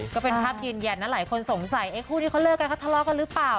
ก็เป็นภาพยืนยันนะหลายคนสงสัยคู่นี้เขาเลิกกันเขาทะเลาะกันหรือเปล่า